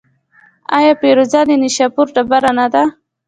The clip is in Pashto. آیا فیروزه د نیشاپور ډبره نه ده؟